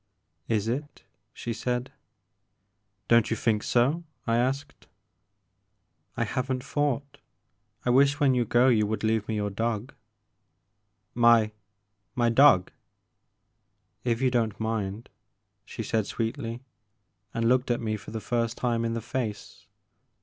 '* "Is it?*' she said. Don't you think so ?I asked. I have n't thought ; I wish when you go you would leave me your dog.*' My— mydog?" If you don't mind," she said sweetly, and looked at me for the first time in the face.